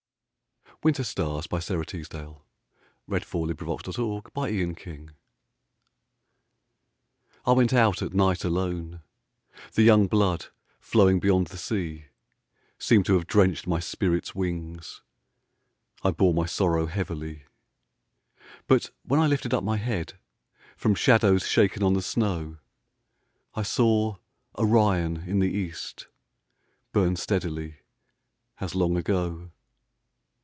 the sky a sentry paces the sea cliff Slim in his khaki. Winter Stars I went out at night alone; The young blood flowing beyond the sea Seemed to have drenched my spirit's wings I bore my sorrow heavily. But when I lifted up my head From shadows shaken on the snow, I saw Orion in the east Burn steadily as long ago.